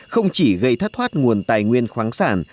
không chỉ gây thất thoát nguồn tài nguyên khoáng sản